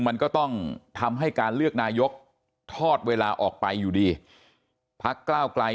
มันก็ต้องทำให้การเลือกนายกทอดเวลาออกไปอยู่ดีพักก้าวไกล